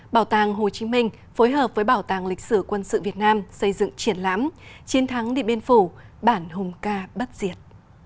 bảo tàng hồ chí minh phối hợp với bảo tàng lịch sử quân sự việt nam xây dựng triển lãm chiến thắng điện biên phủ bản hùng ca bất diệt